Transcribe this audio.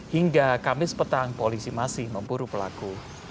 hingga kamis petang polisi masih memburu pelaku